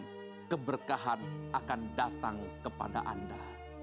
dan kemerdekaan akan datang kepada anda